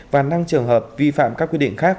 và năm trường hợp vi phạm các quy định khác